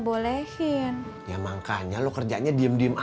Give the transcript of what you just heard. kalian biasanya pakai air oide whipped familia apa